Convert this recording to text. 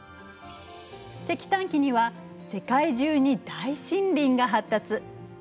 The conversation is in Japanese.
石炭紀には世界中に大森林が発達。